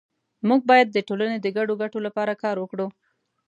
مونږ باید د ټولنې د ګډو ګټو لپاره کار وکړو